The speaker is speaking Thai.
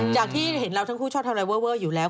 จากที่เห็นเราทั้งคู่ชอบทำอะไรเวอร์อยู่แล้ว